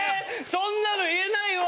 そんなの言えないわ！